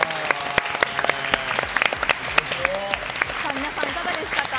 皆さん、いかがでしたか？